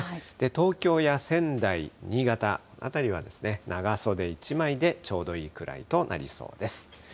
東京や仙台、新潟辺りは長袖１枚でちょうどいいくらいとなりそうです。